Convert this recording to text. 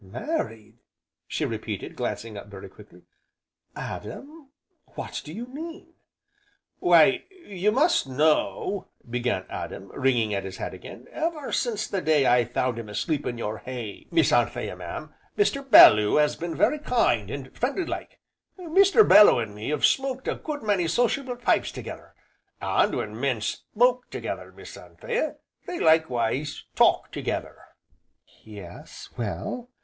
"Married!" she repeated, glancing up very quickly, "Adam what do you mean?" "Why you must know," began Adam, wringing at his hat again, "ever since the day I found him asleep in your hay, Miss Anthea, mam, Mr. Belloo has been very kind, and friendly like. Mr. Belloo an' me 'ave smoked a good many sociable pipes together, an' when men smoke together, Miss Anthea, they likewise talk together." "Yes? Well?"